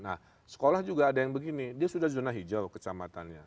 nah sekolah juga ada yang begini dia sudah zona hijau kecamatannya